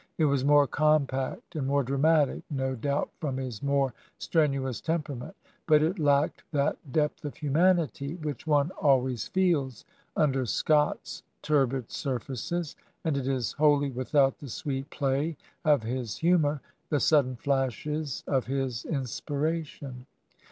It was more compact and more dramatic, no doubt from his more strenuous temperament; but it lacked that depth of humanity which one always feels under Scott's turbid surfaces, and it is wholly without the sweet play of his htunor, the sudden flashes of his inspiration.